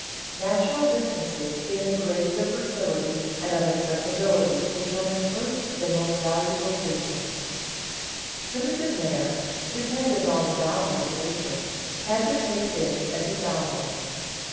Natural differences in the grades of fertility and of accessibility determine first the most valued locations. Primitive man, dependent on the bounties of nature, had to take things as he found them.